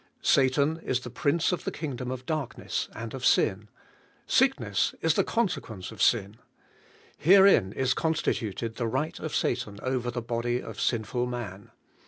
Satan Is the prince of the kingdom of darkness and of sin; sickness is the con Beqnenee of sin. Herein is constituted the right of Satan over the body of sin ful man.